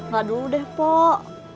gak dulu deh pak